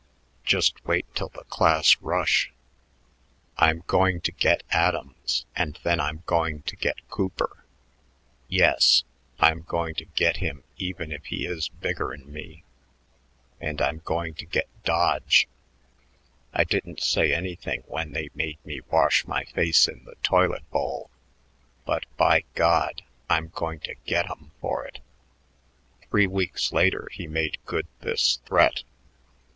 Just wait till the class rush. I'm going to get Adams, and then I'm going to get Cooper yes, I'm going to get him even if he is bigger'n me and I'm going to get Dodge. I didn't say anything when they made me wash my face in the toilet bowl, but, by God! I'm going to get 'em for it." Three weeks later he made good this threat.